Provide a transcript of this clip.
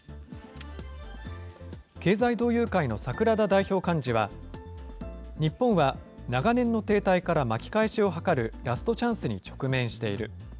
経済同友会の桜田代表幹事は、日本は長年の停滞から巻き返しを図るラストチャンスに直面している。